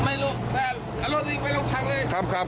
เอารถนี่เอาการลงคังเลย